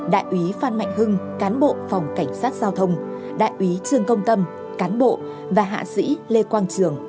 đại úy phan mạnh hưng cán bộ phòng cảnh sát giao thông đại úy trương công tâm cán bộ và hạ sĩ lê quang trường